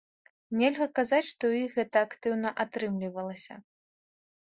Нельга казаць, што ў іх гэта актыўна атрымлівалася.